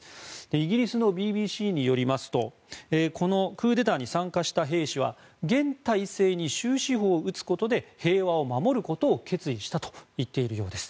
イギリスのＢＢＣによりますとこのクーデターに参加した兵士は現体制に終止符を打つことで平和を守ることを決意したと言っているようです。